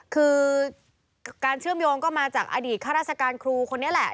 คือการเชื่อมโยงก็มาจากอดีตข้าราชการครูคนนี้แหละ